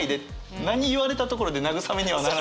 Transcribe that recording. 何言われたところで慰めにはならないからっていう。